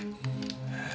えっ。